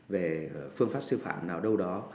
về phương pháp sư phạm nào đâu đó